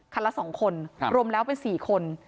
ละ๒คนรวมแล้วเป็น๔คน